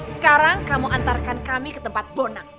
sekarang kamu antarkan kami ke tempat bonang